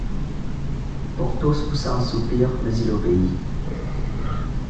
Porthos poussa un soupir, mais il obéit.